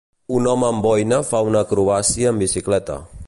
Un home amb boina fa una acrobàcia amb bicicleta.